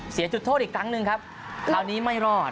จุดโทษอีกครั้งหนึ่งครับคราวนี้ไม่รอด